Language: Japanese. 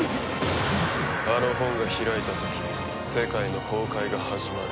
あの本が開いた時世界の崩壊が始まる。